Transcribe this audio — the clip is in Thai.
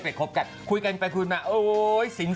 ไปดูภาพสิ